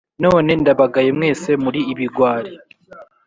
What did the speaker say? none ndabagaye mwese muri ibigwari.